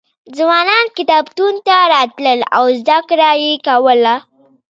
ځوانان کتابتون ته راتلل او زده کړه یې کوله.